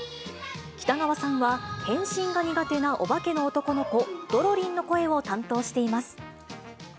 北川さんは、変身が苦手なオバケの男の子、ドロリンの声を担当しています。